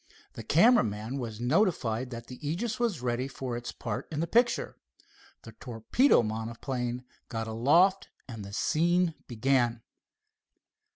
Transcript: The camera man was notified that the Aegis was ready for its part in the picture. The torpedo monoplane got aloft, and the scene began.